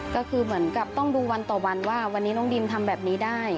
ก็คือเหมือนกับต้องดูวันต่อวันว่าวันนี้น้องดิมทำแบบนี้ได้